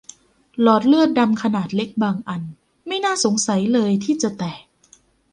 หลอดเลือดดำขนาดเล็กบางอันไม่น่าสงสัยเลยที่จะแตก